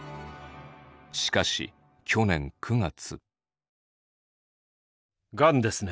しかし去年９月。